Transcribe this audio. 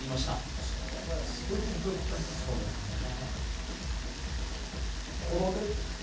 確かにここまですごいテンポよく答えてたからねそうですよね